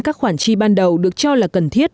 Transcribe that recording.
các khoản chi ban đầu được cho là cần thiết